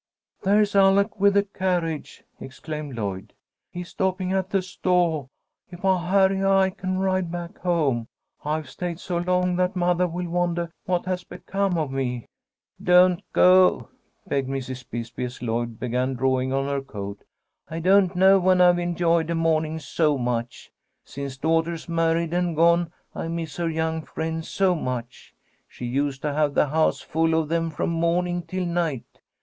"There's Alec with the carriage!" exclaimed Lloyd. "He's stopping at the stoah. If I hurry, I can ride back home. I've stayed so long that mothah will wondah what has become of me." "Don't go!" begged Mrs. Bisbee, as Lloyd began drawing on her coat. "I don't know when I've enjoyed a morning so much. Since daughter's married and gone I miss her young friends so much. She used to have the house full of them from morning till night.